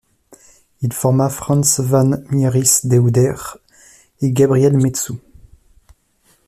Il forma Frans van Mieris de Oudere et Gabriel Metsu.